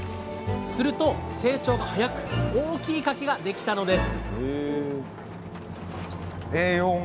すると成長が早く大きいかきができたのです